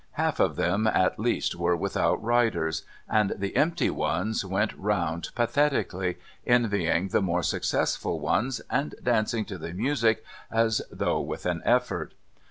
Half of them at least were without riders, and the empty ones went round pathetically, envying the more successful ones and dancing to the music as though with an effort.